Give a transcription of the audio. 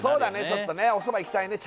ちょっとねおそばいきたいね